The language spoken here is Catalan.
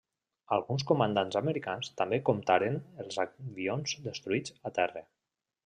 Alguns comandants americans també comptaren els avions destruïts a terra.